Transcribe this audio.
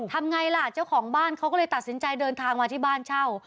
ทำไงล่ะเจ้าของบ้านเขาก็เลยตัดสินใจเดินทางมาที่บ้านเช่า